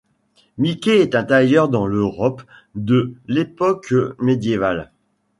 Mickey est un tailleur dans l'Europe de l'époque médiévale.